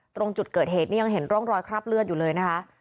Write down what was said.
ตรงจุดเกิดเหตุนี่ยังเห็นร่องรอยคราบเลือดอยู่เลยนะคะ